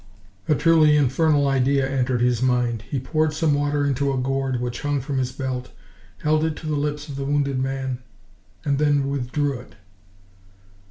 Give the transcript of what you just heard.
A truly infernal idea entered his mind. He poured some water into a gourd which hung from his belt, held it to the lips of the wounded man, and then withdrew it.